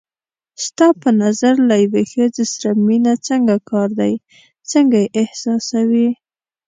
ستا په نظر له یوې ښځې سره مینه څنګه کار دی، څنګه یې احساسوې؟